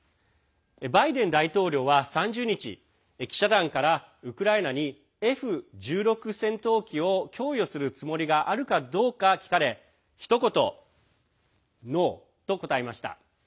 バイデン大統領は３０日記者団から、ウクライナにＦ１６戦闘機を供与するつもりがあるかどうか聞かれひと言、Ｎｏ！と答えました。